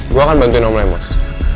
gue akan bantuin om lamos